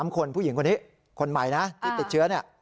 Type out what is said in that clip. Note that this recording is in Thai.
๓คนผู้หญิงคนนี้คนใหม่นะที่ติดเชื้อเนี่ย